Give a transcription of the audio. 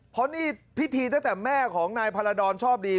เพราะนี่พิธีตั้งแต่แม่ของนายพาราดรชอบดี